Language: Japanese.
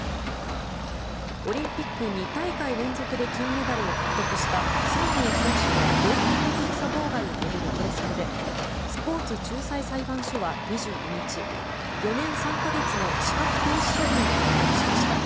オリンピック２大会連続で金メダルを獲得したソン・ヨウ選手のドーピング検査妨害を巡る係争でスポーツ仲裁裁判所は２２日４年３か月の資格停止処分を発表しました。